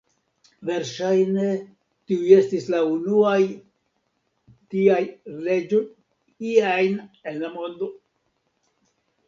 Verŝajne, tiuj estis la unua tiaj leĝoj ie ajn en la mondo.